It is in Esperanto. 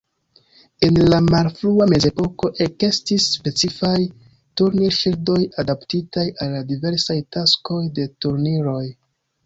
En la malfrua mezepoko ekestis specifaj turnir-ŝildoj, adaptitaj al la diversaj taskoj de turniroj.